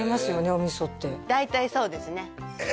お味噌って大体そうですねえ